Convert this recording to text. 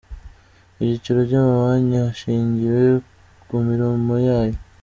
Ibyiciro by’amabanki hashingiwe ku mirimo yayo